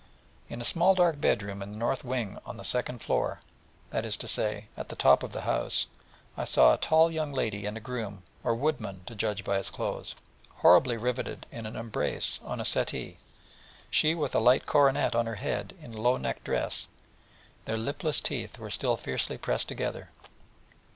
In a small dark bedroom in the north wing on the second floor that is to say, at the top of the house I saw a tall young lady and a groom, or wood man, to judge by his clothes, horribly riveted in an embrace on a settee, she with a light coronet on her head in low necked dress, and their lipless teeth still fiercely pressed together.